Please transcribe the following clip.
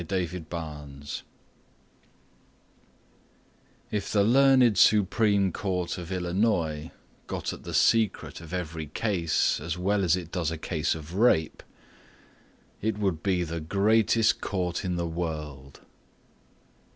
Roy Butler If the learned Supreme Court of Illinois Got at the secret of every case As well as it does a case of rape It would be the greatest court in the world.